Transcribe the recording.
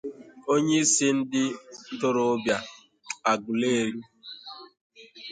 onyeisi ndị ntorobịa Agụleri